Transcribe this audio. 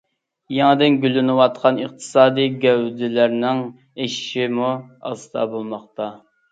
يېڭىدىن گۈللىنىۋاتقان ئىقتىسادى گەۋدىلەرنىڭ ئېشىشىمۇ ئاستا بولماقتا.